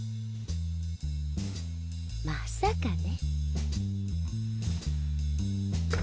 まさかね。